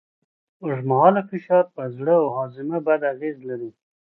اوږدمهاله فشار پر زړه او هاضمه بد اغېز لري.